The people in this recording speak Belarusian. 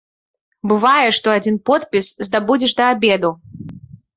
Бывае, што адзін подпіс здабудзеш да абеду.